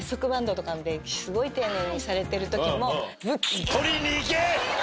ですごい丁寧にされてる時も。